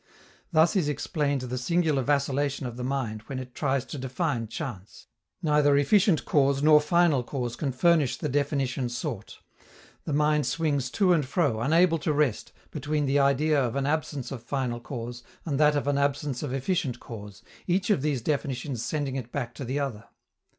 Thus is explained the singular vacillation of the mind when it tries to define chance. Neither efficient cause nor final cause can furnish the definition sought. The mind swings to and fro, unable to rest, between the idea of an absence of final cause and that of an absence of efficient cause, each of these definitions sending it back to the other.